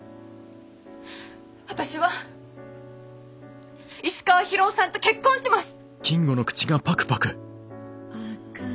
私は石川博夫さんと結婚します。